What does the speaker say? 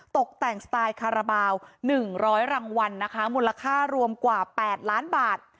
ตกแต่งสไตล์คาราบาล๑๐๐รางวัลนะคะมูลค่ารวมกว่า๘ล้านบาท